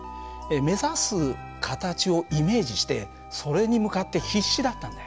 目指す形をイメージしてそれに向かって必死だったんだよね。